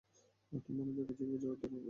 তুমি অন্যদের কাজের বোঝা নির্ধারণ করবে।